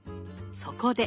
そこで。